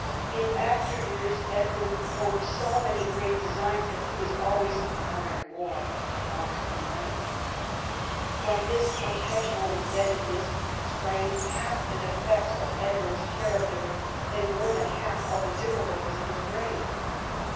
In after years Edward formed so many great designs that he was always more and more in want of money. From this perpetual indebtedness sprang half the defects of Edward's character, and more than half of the difficulties of his reign.